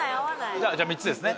じゃあじゃあ３つですね